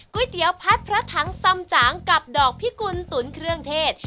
เตี๋ยวพัดพระถังสำจางกับดอกพิกุลตุ๋นเครื่องเทศ